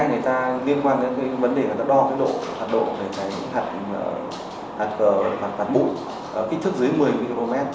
vấn đề là nó đo cái độ hạt độ hạt bụng kích thước dưới một mươi micromet